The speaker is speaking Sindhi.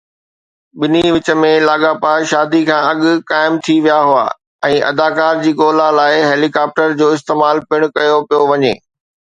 ٻنهي وچ ۾ لاڳاپا شادي کان اڳ قائم ٿي ويا هئا ۽ اداڪارا جي ڳولا لاءِ هيلي ڪاپٽر جو استعمال پڻ ڪيو پيو وڃي